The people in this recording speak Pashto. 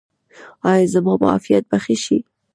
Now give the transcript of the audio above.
ایا زما معافیت به ښه شي؟